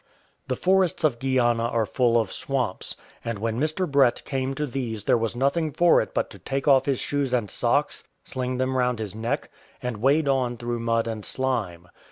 The forests of Guiana are full of swamps, and when Mr. Brett came to these there was nothing for it but to take off* his shoes and socks, sling them round his neck, and wade on through mud and slime.